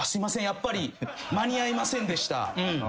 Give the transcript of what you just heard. やっぱり間に合いませんでした。